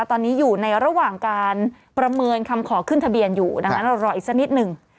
ตอนนี้อยู่ในระหว่างการประเมินคำขอขึ้นทะเบียนอยู่ดังนั้นเรารออีกสักนิดหนึ่ง